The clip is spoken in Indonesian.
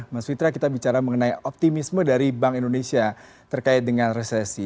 mas fitra kita bicara mengenai optimisme dari bank indonesia terkait dengan resesi